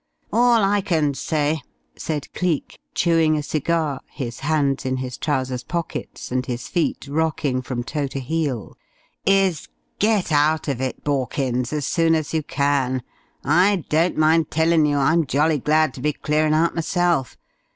"All I can say," said Cleek, chewing a cigar, his hands in his trousers' pockets, and his feet rocking from toe to heel, "is get out of it, Borkins, as soon as you can. I don't mind tellin' you, I'm jolly glad to be clearin' out myself.